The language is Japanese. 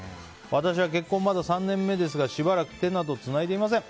私は結婚３年目ですがしばらく手などつないでいません。